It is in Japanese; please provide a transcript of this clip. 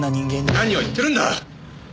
何を言ってるんだ！